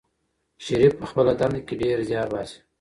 شریف په خپله دنده کې ډېر زیار باسي.